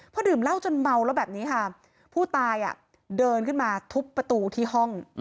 พอดื่มเหล้าจนเมาแล้วแบบนี้ค่ะผู้ตายเดินขึ้นมาทุบประตูที่ห้อง